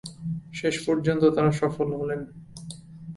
শেষ পর্যন্ত তারা সফল হলেন।